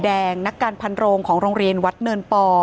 อ่องแดงนักการพันโลงของโรงเลียนวัดเนินป